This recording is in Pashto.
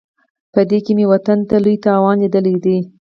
په دې کې مې وطن ته لوی تاوان لیدلی دی.